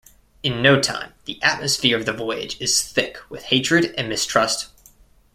In no time, the atmosphere of the voyage is thick with hatred and mistrust.